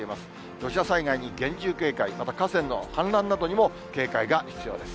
土砂災害には厳重警戒、また、河川の氾濫などにも警戒が必要です。